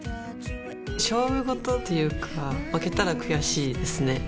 勝負事というか負けたら悔しいですね。